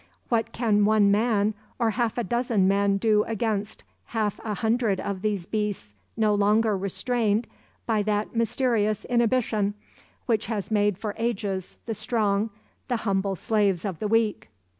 What can one man or half a dozen men do against half a hundred of these beasts no longer restrained by that mysterious inhibition, which has made for ages the strong the humble slaves of the weak?